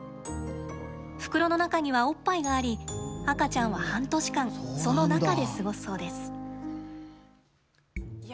袋の中には、おっぱいがあり赤ちゃんは半年間その中で過ごすそうです。